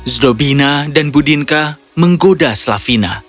zobina dan budinka menggoda slavina